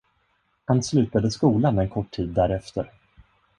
Han slutade skolan en kort tid därefter.